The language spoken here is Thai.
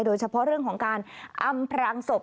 โดยเฉพาะเรื่องของการอำพรางศพ